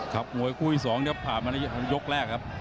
ครับโหยกู้ที่๒เนี่ยผ่านมาในยกแรกครับ